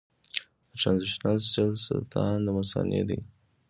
د ټرانزیشنل سیل سرطان د مثانې دی.